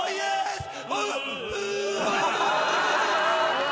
うわ